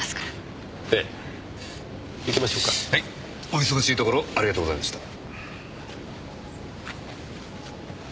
お忙しいところありがとうございました。